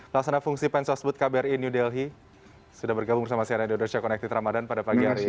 pelaksana fungsi pensosbut kbri new delhi sudah bergabung sama sian edo dersia konektif ramadan pada pagi hari ini